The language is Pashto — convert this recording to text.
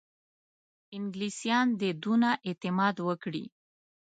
انګلیسیان دي دونه اعتماد وکړي.